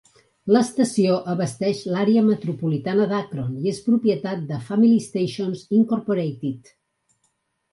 L'estació abasteix l'àrea metropolitana d'Akron i és propietat de Family Stations, Incorporated.